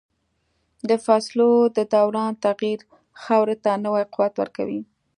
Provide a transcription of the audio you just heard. د فصلو د دوران تغییر خاورې ته نوی قوت ورکوي.